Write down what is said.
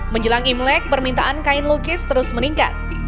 menjelang imlek permintaan kain lukis terus meningkat